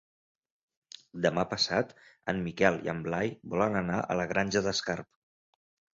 Demà passat en Miquel i en Blai volen anar a la Granja d'Escarp.